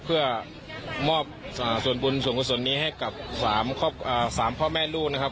เพื่อมอบส่วนบุญส่วนกุศลนี้ให้กับ๓พ่อแม่ลูกนะครับ